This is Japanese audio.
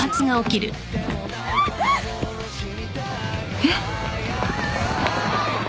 えっ？